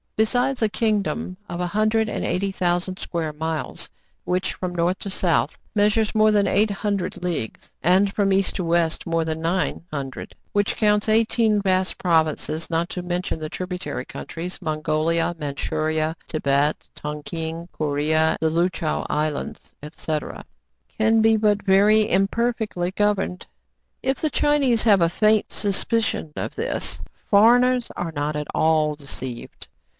Besides, a kingdom of a hundred and eighty thousand square miles, which from north to south measures more than eight hundred leagues, and THE CITY OF SHANG HAL 27 from east to west more than nine hundred, which counts eighteen vast provinces, not to mention the tributary countries, — Mongolia, Mandshuria, Thibet, Tonking, Corea, the Loo Choo Islands, &c., — can be but very imperfectly governed. If the Chinese have a faint suspicion of this, foreigners are not at all deceived.